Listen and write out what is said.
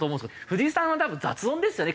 藤井さんは多分雑音ですよね